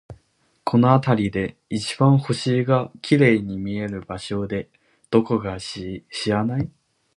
この辺りで一番星が綺麗に見える場所って、どこか知らない？